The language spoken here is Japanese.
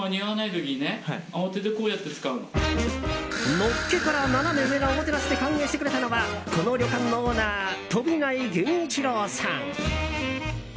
のっけからナナメ上なおもてなしで歓迎してくれたのはこの旅館のオーナー飛内源一郎さん。